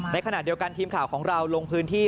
ในขณะเดียวกันทีมข่าวของเราลงพื้นที่